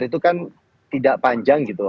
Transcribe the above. itu kan tidak panjang gitu